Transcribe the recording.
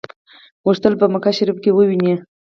غوښتل په مکه شریفه کې وویني.